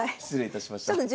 失礼いたしました。